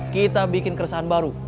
kita bikin keresahan baru